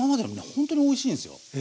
ほんとにおいしいんすよ。